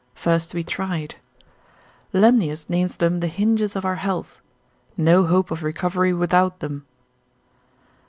first to be tried, Lemnius, instit. cap. 22, names them the hinges of our health, no hope of recovery without them.